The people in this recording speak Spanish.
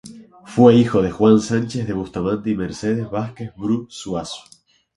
Fue hijo de Juan Sánchez de Bustamante y Mercedes Vásquez-Bru Zuazo.